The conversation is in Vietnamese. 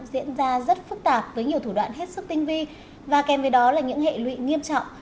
diễn ra rất phức tạp với nhiều thủ đoạn hết sức tinh vi và kèm với đó là những hệ lụy nghiêm trọng